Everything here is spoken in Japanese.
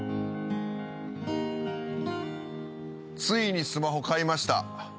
ついにスマホ買いました。